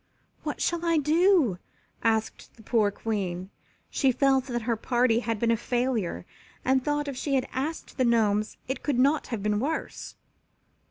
"What shall I do?" asked the poor Queen. She felt that her party had been a failure and thought if she had asked the Gnomes it could not have been worse.